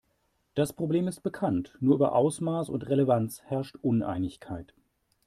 Das Problem ist bekannt, nur über Ausmaß und Relevanz herrscht Uneinigkeit.